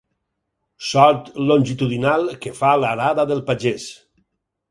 Sot longitudinal que fa l'arada del pagès.